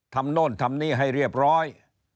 โน่นทำนี่ให้เรียบร้อย